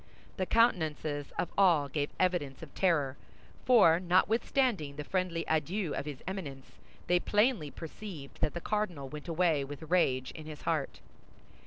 The countenances of all gave evidence of terror, for notwithstanding the friendly adieu of his Eminence, they plainly perceived that the cardinal went away with rage in his heart.